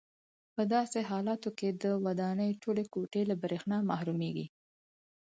په داسې حالاتو کې د ودانۍ ټولې کوټې له برېښنا محرومېږي.